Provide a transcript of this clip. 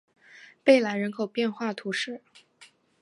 贝莱人口变化图示